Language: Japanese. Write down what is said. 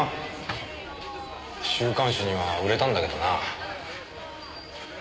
週刊誌には売れたんだけどな。